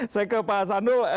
saya ke pak hasanul